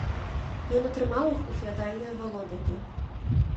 Ён атрымаў іх у феадальнае валоданне.